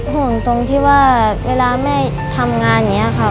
ห่วงตรงที่ว่าเวลาแม่ทำงานเนี่ยค่ะ